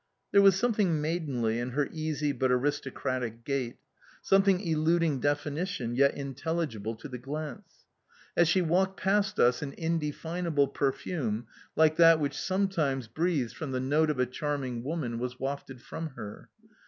There was something maidenly in her easy, but aristocratic gait, something eluding definition yet intelligible to the glance. As she walked past us an indefinable perfume, like that which sometimes breathes from the note of a charming woman, was wafted from her.